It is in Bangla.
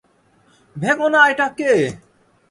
ভেঙো না এটা কে!